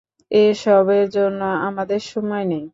এ সবের জন্য আমাদের সময় নেই।